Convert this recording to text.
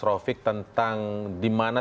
rofiq tentang dimana